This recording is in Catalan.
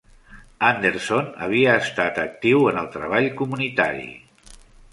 Anderson havia estat actiu en el treball comunitari.